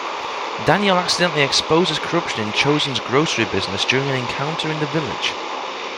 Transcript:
Daniel accidentally exposes corruption in Chozen's grocery business during an encounter in the village.